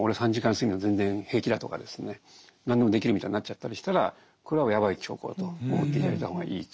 睡眠でも全然平気だとかですね何でもできるみたいになっちゃったりしたらこれはやばい兆候と思って頂いた方がいいと。